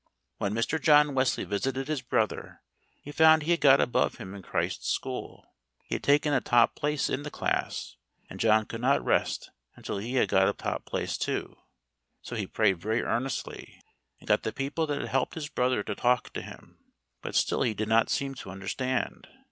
When Mr. John Wesley visited his brother, he found he had got above him in Christ's school; he had taken a top place in the class, and John could not rest until he had got a top place too. So he prayed very earnestly, and got the people that had helped his brother to talk to him, but still he did not seem to understand.